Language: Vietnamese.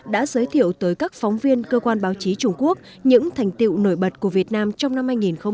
đã giới thiệu tới các phóng viên cơ quan báo chí trung quốc những thành tiệu nổi bật của việt nam trong năm hai nghìn hai mươi